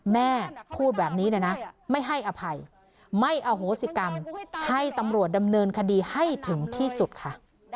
แม่พูดแบบนี้เลยนะไม่ให้อภัยไม่อโหสิกรรมให้ตำรวจดำเนินคดีให้ถึงที่สุดค่ะ